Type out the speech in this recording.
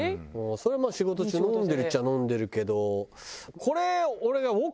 それはまあ仕事中飲んでるっちゃ飲んでるけど。